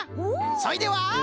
そいでは。